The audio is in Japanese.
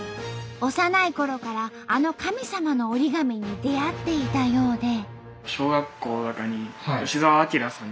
幼いころからあの神様の折り紙に出会っていたようで。